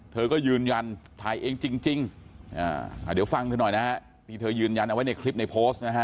เธอก็ยืนยันถ่ายเองจริงเดี๋ยวฟังเธอหน่อยนะฮะที่เธอยืนยันเอาไว้ในคลิปในโพสต์นะฮะ